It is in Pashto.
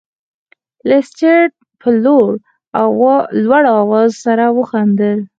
لیسټرډ په لوړ اواز سره وخندل.